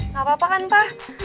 nggak apa apa kan fah